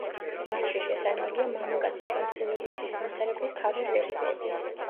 მასში შეტანილია მამაკაცი შემსრულებლების სიმღერების ქავერ ვერსიები.